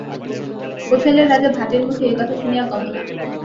কোশলের রাজা ভাটের মুখে এই কথা শুনিয়া- কমলা।